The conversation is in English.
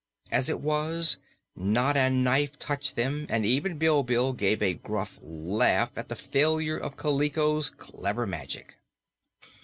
As it was, not a knife touched them and even Bilbil gave a gruff laugh at the failure of Kaliko's clever magic.